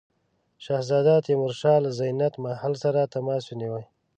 شهزاده تیمورشاه له زینت محل سره تماس ونیو.